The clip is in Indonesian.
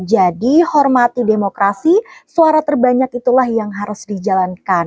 jadi hormati demokrasi suara terbanyak itulah yang harus dijalankan